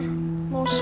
eh anterin mami ke kamar